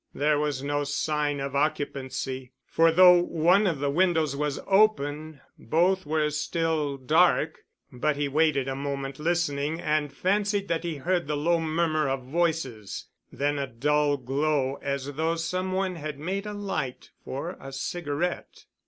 There was no sign of occupancy, for though one of the windows was open, both were still dark, but he waited a moment listening and fancied that he heard the low murmur of voices, then a dull glow as though some one had made a light for a cigarette.